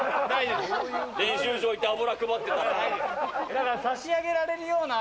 だから差し上げられるような脂